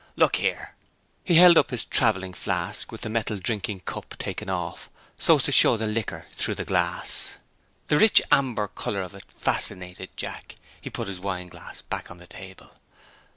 Look here!" He held up his traveling flask, with the metal drinking cup taken off, so as to show the liquor through the glass. The rich amber color of it fascinated Jack. He put his wine glass back on the table.